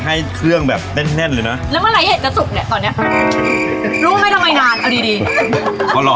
เดินถูกแล้วพอคนปุ๊ปถูกแล้วหรอ